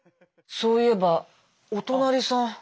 そういえばお隣さん。